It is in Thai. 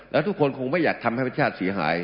และทุกคนคงไม่อยากทำให้ความพัฒนาศีหาย